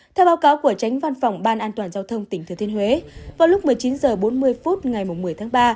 theo báo cáo của tránh văn phòng ban an toàn giao thông tỉnh thừa thiên huế vào lúc một mươi chín h bốn mươi phút ngày một mươi tháng ba